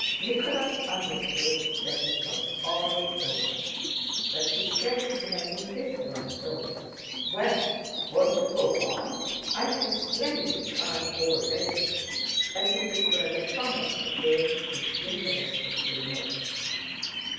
Nicholas understood that it was all over; but he said in an indifferent tone: "Well, won't you go on? I had a splendid card all ready," as if it were the fun of the game which interested him most.